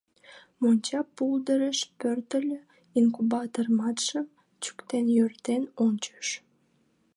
Монча пулдырыш пӧртыльӧ, «инкубаторматшым» чӱктен-йӧртен ончыш.